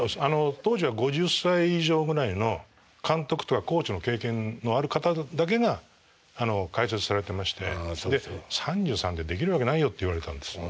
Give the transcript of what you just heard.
当時は５０歳以上ぐらいの監督とかコーチの経験のある方だけが解説されてまして３３でできるわけないよって言われたんです。